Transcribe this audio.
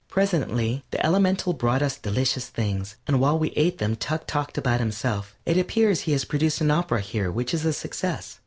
Presently the elemental brought us delicious things, and while we ate them Tuck talked about himself. It appears he has produced an opera here which is a success.